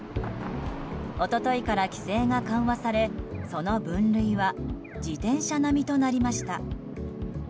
一昨日から規制が緩和されその分類は自転車並みとなりました。